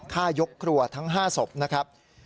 ฆ่ายกครัวทั้ง๕ศพนะครับ